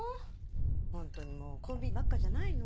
ホントにもうコンビニばっかじゃないの？